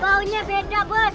baunya beda bos